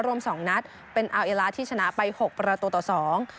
รวมสองนัดเป็นที่ชนะใบหกประตูต่อสอง